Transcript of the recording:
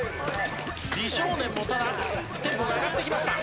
美少年もただテンポが上がってきました。